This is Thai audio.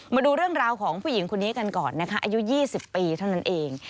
มาดูเรื่องราวของผู้หญิงคนนี้กันก่อนนะคะอายุ๒๐ปีเท่านั้นเอง